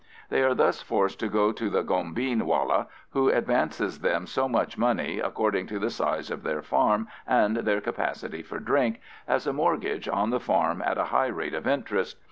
They are thus forced to go to the gombeen wallah, who advances them so much money, according to the size of their farm and their capacity for drink, as a mortgage on the farm at a high rate of interest.